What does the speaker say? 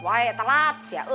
wah telat siap